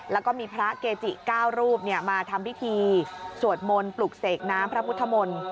แล้วก็มีพระเกจิ๙รูปมาทำพิธีสวดมนต์ปลุกเสกน้ำพระพุทธมนต์